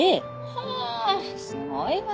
はあすごいわねえ。